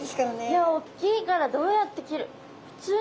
いやおっきいからどうやって切る。